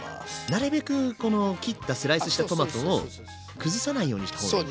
なるべくこの切ったスライスしたトマトを崩さないようにした方がいい。